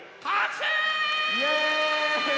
イエーイ！